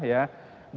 banyak sekali ini